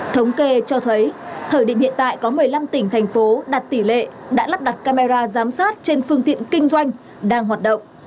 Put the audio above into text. thống kê cho thấy thời điểm hiện tại có một mươi năm tỉnh thành phố đặt tỷ lệ đã lắp đặt camera giám sát trên phương tiện kinh doanh đang hoạt động